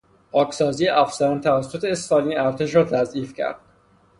پاکسازی افسران توسط استالین ارتش را تضعیف کرد.